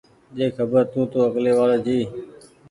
ڏي خبر تونٚ تو اڪلي وآڙو جي